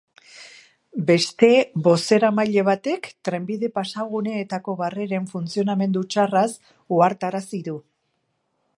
Beste bozeramaile batek trenbide-pasaguneetako barreren funtzionamendu txarraz ohartarazi du.